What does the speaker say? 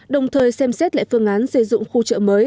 đồng thời xem xét lại phương án xây dựng khu chợ mới